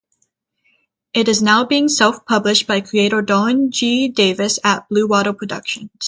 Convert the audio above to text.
It is now being self-published by creator Darren G. Davis at Bluewater Productions.